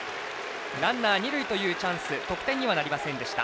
ランナー、二塁というチャンス得点にはなりませんでした。